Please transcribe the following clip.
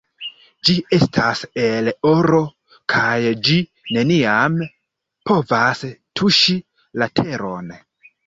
Ĝi estas el oro kaj ĝi neniam povas tuŝi la teron.